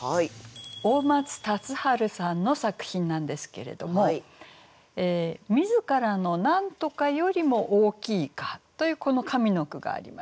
大松達知さんの作品なんですけれども「みづからの何とかよりも大きいか」というこの上の句があります。